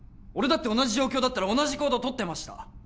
俺だって同じ状況だったら同じ行動とってました